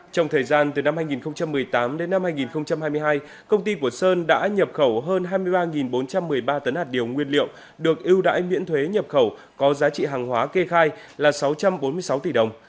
trong thời gian từ năm hai nghìn một mươi tám đến năm hai nghìn hai mươi hai công ty của sơn đã nhập khẩu hơn hai mươi ba bốn trăm một mươi ba tấn hạt điều nguyên liệu được ưu đãi miễn thuế nhập khẩu có giá trị hàng hóa kê khai là sáu trăm bốn mươi sáu tỷ đồng